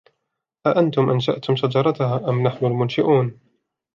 أَأَنتُمْ أَنشَأْتُمْ شَجَرَتَهَا أَمْ نَحْنُ الْمُنشِؤُونَ